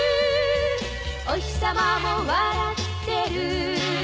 「おひさまも笑ってる」